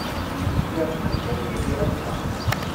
Yerfa mliḥ Yidir ass-a.